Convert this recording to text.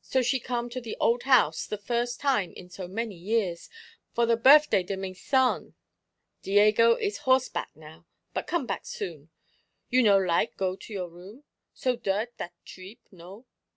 So she come to the old house, the firs' time in so many years, for the birfday de my son. Diego is horseback now, but come back soon. You no like go to your room? So dirt that treep, no?